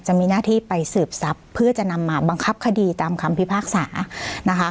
จะมีหน้าที่ไปสืบทรัพย์เพื่อจะนำมาบังคับคดีตามคำพิพากษานะคะ